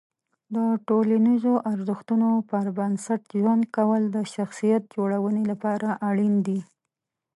د ټولنیزو ارزښتونو پر بنسټ ژوند کول د شخصیت جوړونې لپاره اړین دي.